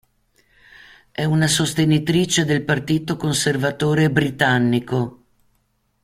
È una sostenitrice del Partito Conservatore britannico.